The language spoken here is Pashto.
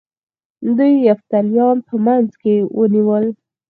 دوی یفتلیان په منځ کې ونیول